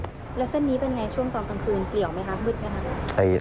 แล้วเส้นนี้เป็นไงช่วงตอนกลางคืนเปรียวไหมครับมืดกระทั่ง